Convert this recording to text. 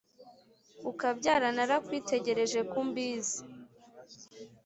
ukubyara narakwitegereje ku mbizi.